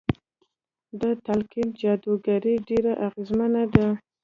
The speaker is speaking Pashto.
د تلقين جادوګري ډېره اغېزمنه ده.